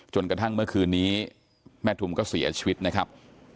กระทั่งเมื่อคืนนี้แม่ทุมก็เสียชีวิตนะครับ